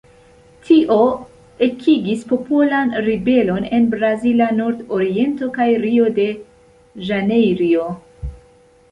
Tio ekigis popolan ribelon en Brazila Nordoriento kaj Rio-de-Ĵanejrio.